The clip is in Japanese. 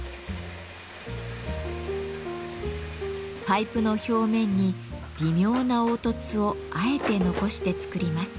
パイプの表面に微妙な凹凸をあえて残して作ります。